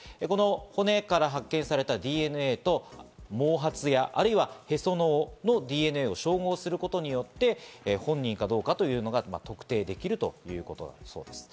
骨から発見されたＤＮＡと毛髪やあるいはへその緒のＤＮＡを照合することによって本人かどうかというのが特定できるということです。